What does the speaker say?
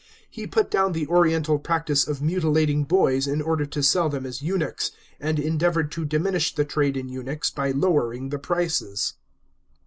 He put down the oriental practice of mutilating boys in order to sell them as eunuchs, and endeavoured to dimmish the trade in eunuchs by lowering the prices.